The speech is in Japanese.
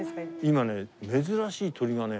今ね珍しい鳥がね。